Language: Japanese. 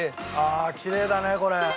ああきれいだねこれ。